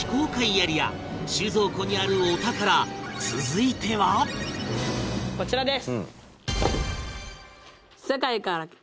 収蔵庫にあるお宝続いてはこちらです。